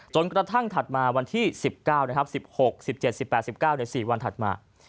กระทั่งถัดมาวันที่๑๙นะครับ๑๖๑๗๑๘๑๙ใน๔วันถัดมา